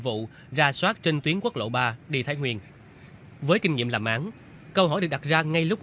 vụ ra soát trên tuyến quốc lộ ba đi thái nguyên với kinh nghiệm làm án câu hỏi được đặt ra ngay lúc